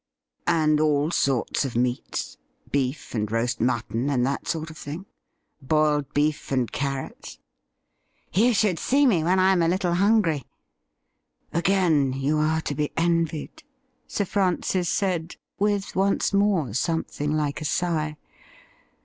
' And all sorts of meats — beef and roast mutton, and that sort of thing ; boiled beef and carrots .?'' You should see me when I am a little hungry.' ' Again you are to be envied,' Sir Francis said, with once more something like a sigh.